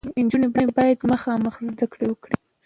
نجونې باید خامخا زده کړې وکړي.